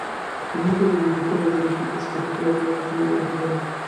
মহেন্দ্রের রোদন দেখিয়া রজনীর কি কষ্ট হইতে লাগিল, রজনীই তাহা জানে।